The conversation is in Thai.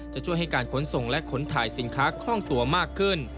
จะช่วยให้การขนส่งและขนถ่ายสินค้าคล่องตัวมากขึ้น